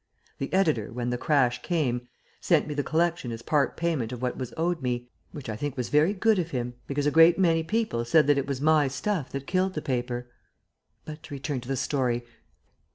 The editor, when the crash came, sent me the collection as part payment of what was owed me, which I think was very good of him, because a great many people said that it was my stuff that killed the paper. But to return to the story.